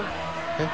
えっ？